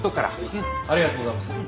ありがとうございます。